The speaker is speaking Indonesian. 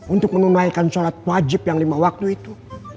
untuk menunaikan sholat wajib yang lima waktu itu